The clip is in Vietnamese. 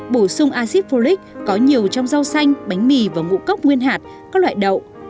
bổ sung acid fulic có nhiều trong rau xanh bánh mì và ngũ cốc nguyên hạt các loại đậu